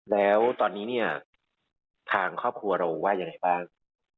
แล้วตอนนี้ทางครอบครัวเราว่าอย่างไรบ้าง